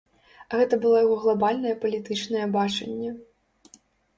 Гэта было яго глабальнае палітычнае бачанне.